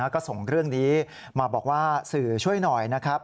ก็ส่งเรื่องนี้มาบอกว่าสื่อช่วยหน่อยนะครับ